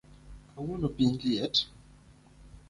Kawuono piny liet